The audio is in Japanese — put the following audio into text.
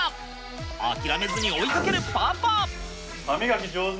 諦めずに追いかけるパパ！